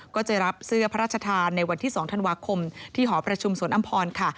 ก็จะรับเสื้อพระราชทานในวันที่๒ธันวาคมที่หอประชุมสวนอำพรค่ะ